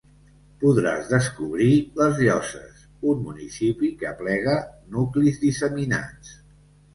Podràs descobrir les Llosses, un municipi que aplega nuclis disseminats.